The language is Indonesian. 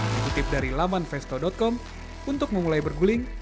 dikutip dari laman vesto com untuk memulai berguling